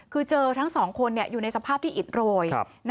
คือเจอทั้งสองคนอยู่ในสภาพที่อิดโรย